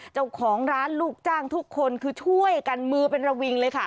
เจ้าของร้านลูกจ้างทุกคนคือช่วยกันมือเป็นระวิงเลยค่ะ